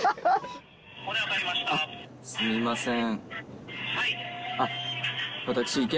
すみません。